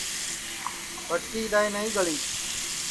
ٻٹکی اِدؔائے نائی گݪی